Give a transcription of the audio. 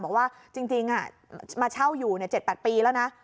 บอกว่าจริงมาเช่าอยู่๗๘ปีแล้วนะ